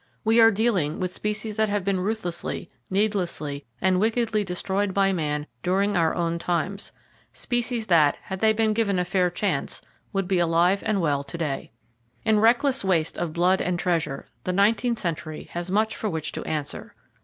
We are dealing with species that have been ruthlessly, needlessly and wickedly destroyed by man during our own times; species that, had they been given a fair chance, would be alive and well to day. In reckless waste of blood and treasure, the nineteenth century has much for which to answer.